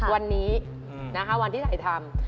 วันนี้นะคะวันที่ถ่ายทำ